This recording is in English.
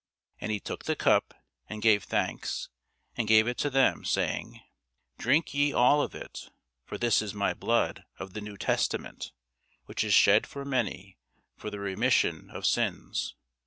And he took the cup, and gave thanks, and gave it to them, saying, Drink ye all of it; for this is my blood of the new testament, which is shed for many for the remission of sins.